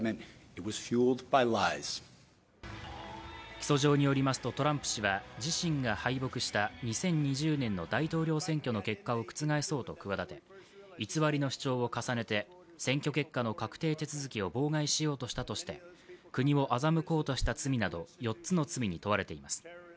起訴状によりますと、トランプ氏は自身が敗北した２０２０年の大統領選挙の結果を覆そうと企て、偽りの主張を重ねて、選挙結果の確定手続きを妨害しようとしたとして国を欺こうとした罪など４つの罪に問われています。